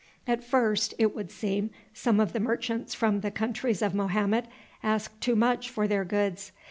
At first, it would seem, some of the merchants from the countries of Mohammed asked too much for their goods.